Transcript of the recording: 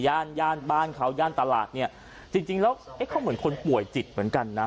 แล้วว่าผมก็พยายามไข่หนึ่ง